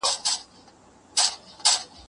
نړۍ د ټیکنالوژۍ په لور روانه ده.